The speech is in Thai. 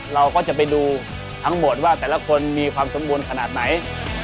เราก็จะไปดูทั้งหมดว่าแต่ละคนมีความสมบูรณ์ขนาดไหน